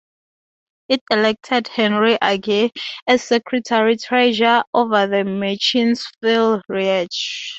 It elected Henry Agee as secretary-treasurer over the Machine's Phil Reich.